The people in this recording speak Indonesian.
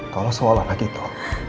kalau seolah olah gitu